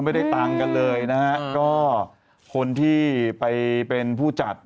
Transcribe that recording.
ไม่ได้ตังค์กันเลยนะฮะก็คนที่ไปเป็นผู้จัด